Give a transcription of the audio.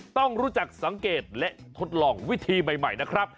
ต้องรู้จักสังเกตและทดลองวิธีใหม่นะครับ